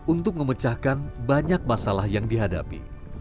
untuk memecahkan banyak masalah yang dihadapi